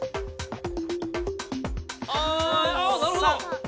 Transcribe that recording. あああなるほど！